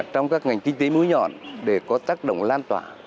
trong các ngành kinh tế mũi nhọn để có tác động lan tỏa